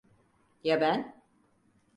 Ya ben?